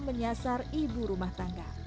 menyasar ibu rumah tangga